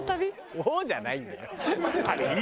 「おおー！」じゃないんだよ。